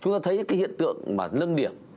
chúng ta thấy cái hiện tượng mà nâng điểm